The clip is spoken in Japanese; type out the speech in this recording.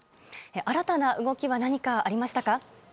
新たな動きは何かありましたか。